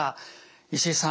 石井さん